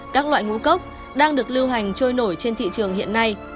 các loại ngũ cốc đang được lưu hành trôi nổi trên thị trường hiện nay